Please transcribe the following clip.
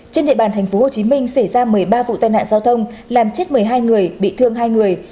trên địa bàn tp hcm xảy ra một mươi ba vụ tai nạn giao thông làm chết một mươi hai người bị thương hai người